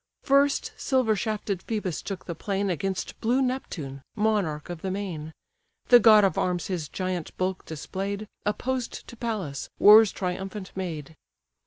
First silver shafted Phœbus took the plain Against blue Neptune, monarch of the main. The god of arms his giant bulk display'd, Opposed to Pallas, war's triumphant maid.